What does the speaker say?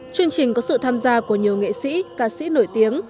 chương trình có sự tham gia của nhiều nghệ sĩ ca sĩ nổi tiếng